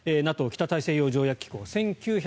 ＮＡＴＯ・北大西洋条約機構。